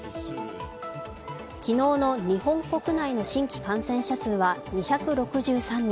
昨日の日本国内の新規感染者数は２６３人。